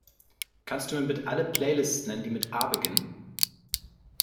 Kannst Du mir bitte alle Playlists nennen, die mit A beginnen?